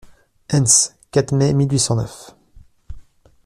Enns, quatre mai mille huit cent neuf.